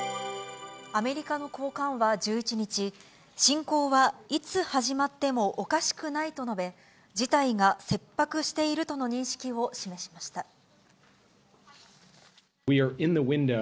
アメリカの高官は１１日、侵攻はいつ始まってもおかしくないと述べ、事態が切迫しているとの認識を示しました。